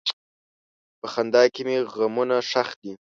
په خندا کې مې غمونه ښخ دي.